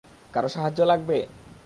কারো সাহায্য লাগবে?